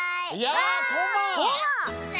やった！